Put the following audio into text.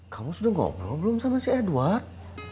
kamu sudah ngobrol belum sama si edward